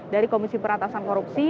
di komisi peratasan korupsi